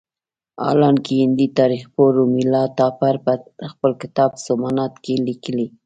حالانکه هندي تاریخ پوه رومیلا تاپړ په خپل کتاب سومنات کې لیکلي.